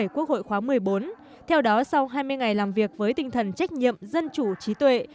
quốc hội khóa một mươi bốn theo đó sau hai mươi ngày làm việc với tinh thần trách nhiệm dân chủ trí tuệ